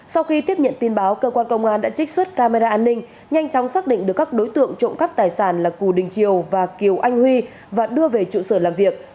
sau khi tiếp nhận tin báo cơ quan công an đã trích xuất camera an ninh nhanh chóng xác định được các đối tượng trộm cắp tài sản là cù đình triều và kiều anh huy và đưa về trụ sở làm việc